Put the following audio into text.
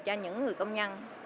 cho những người công nhân